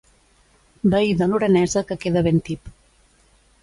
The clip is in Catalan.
Veí de lorenesa que queda ben tip.